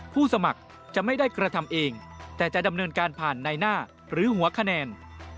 ผู้สมัครจะไม่ได้กระทำเองแต่จะดำเนินการผ่านในหน้าหรือหัวคะแนน